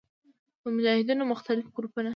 د مجاهدینو مختلف ګروپونو